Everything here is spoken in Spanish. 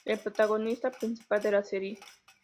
El protagonista principal de la serie.